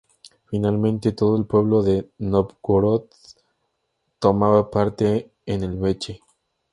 Finalmente todo el pueblo de Nóvgorod tomaba parte en el veche.